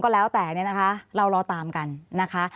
แล้วแต่เนี่ยนะคะเรารอตามกันนะคะ